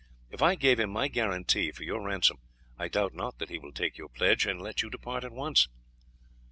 If I gave him my guarantee for your ransom, I doubt not that he will take your pledge, and let you depart at once."